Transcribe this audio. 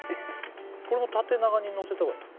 これも縦長にのせた方がいいの？